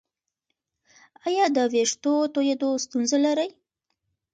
ایا د ویښتو تویدو ستونزه لرئ؟